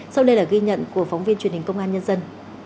sau đây là ghi nhận của phóng viên truyền hình công an nhân dân